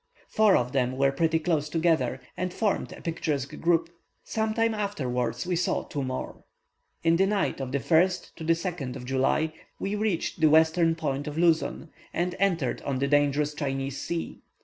Four of them were pretty close together, and formed a picturesque group. Some time afterwards we saw two more. In the night of the 1st 2nd of July, we reached the western point of Luzon, and entered on the dangerous Chinese Sea.